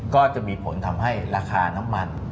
ก็จะมีผลทำให้ราคาน้ำมัน